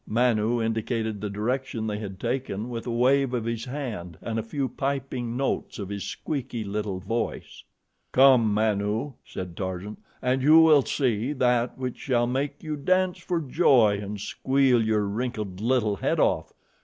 Manu indicated the direction they had taken with a wave of his hand and a few piping notes of his squeaky little voice. "Come, Manu," said Tarzan, "and you will see that which shall make you dance for joy and squeal your wrinkled little head off.